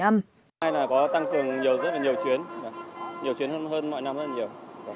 hôm nay có tăng cường rất nhiều chuyến nhiều chuyến hơn mọi năm rất nhiều